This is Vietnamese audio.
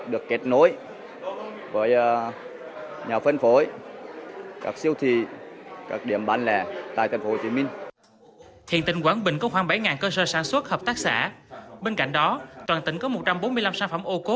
được công nhân sản phẩm được công nhân sản phẩm được công nhân sản phẩm được công nhân sản phẩm